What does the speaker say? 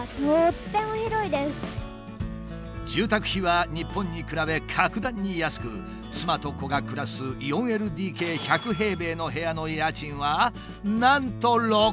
住宅費は日本に比べ格段に安く妻と子が暮らす４ＬＤＫ１００平米の部屋の家賃はなんと６万円。